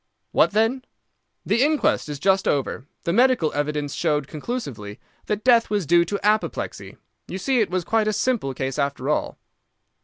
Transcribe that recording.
"What then?" "The inquest is just over. The medical evidence showed conclusively that death was due to apoplexy. You see it was quite a simple case after all."